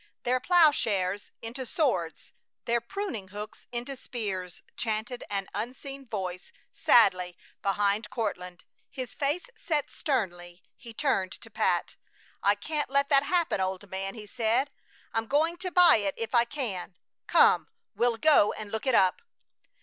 "Their plowshares into swords, their pruning hooks into spears," chanted an unseen voice, sadly, behind Courtland. His face set sternly. He turned to Pat: "I can't let that happen, old man!" he said. "I'm going to buy it if I can. Come, we'll go and look it up!"